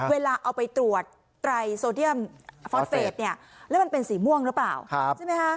เวลาเอาไปตรวจไตรโซเดียมฟอสเฟสเนี่ยแล้วมันเป็นสีม่วงหรือเปล่าใช่ไหมคะ